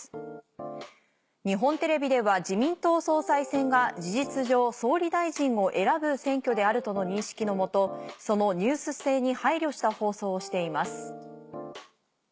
「日本テレビでは自民党総裁選が事実上総理大臣を選ぶ選挙であるとの認識の下そのニュース性に配慮した放送をしています」。